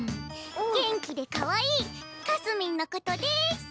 元気でかわいいかすみんのことでっす！